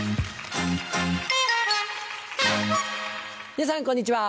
皆さんこんにちは。